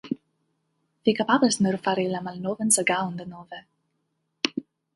Vi kapablas nur fari la malnovan sagaon denove.